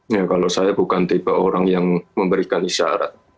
ya kalau saya bukan tipe orang yang memberikan isyarat